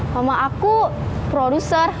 mama aku produser